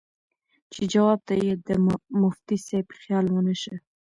چې جواب ته ئې د مفتي صېب خيال ونۀ شۀ